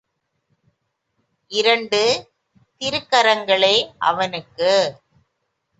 இரண்டு திருக்கரங்களே அவனுக்கு.